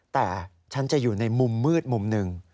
แต่ฉันจะอยู่ในมุมมืดมุมหนึ่ง